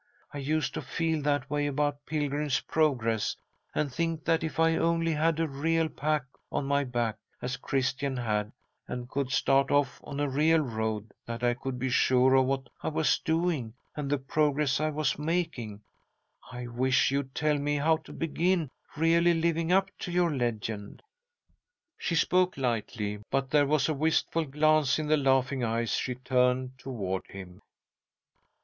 I used to feel that way about 'Pilgrim's Progress,' and think that if I only had a real pack on my back, as Christian had, and could start off on a real road, that I could be sure of what I was doing and the progress I was making. I wish you'd tell me how to begin really living up to your legend." She spoke lightly, but there was a wistful glance in the laughing eyes she turned toward him.